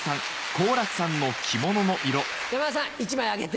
山田さん１枚あげて。